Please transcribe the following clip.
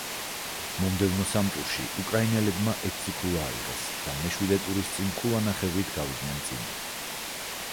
მომდევნო სამ ტურში უკრაინელებმა ექვსი ქულა აიღეს და მეშვიდე ტურის წინ ქულანახევრით გავიდნენ წინ.